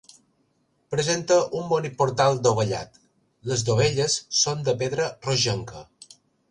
Presenta un bonic portal dovellat, les dovelles són de pedra rogenca.